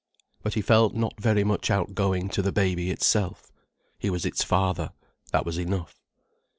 But he felt not very much outgoing to the baby itself. He was its father, that was enough.